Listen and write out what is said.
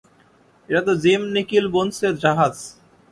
এটা তো জিম নিকিলবোন্সের জাহাজ।